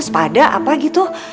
sepada apa gitu